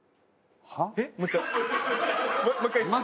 もう１回いいですか？